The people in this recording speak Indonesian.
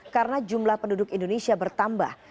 karena jumlah penduduk indonesia bertambah